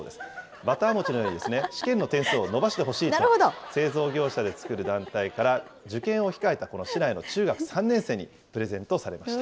バター餅のように試験の点数を伸ばしてほしいと、製造業者で作る団体から、受験を控えたこの市内の中学３年生にプレゼントされました。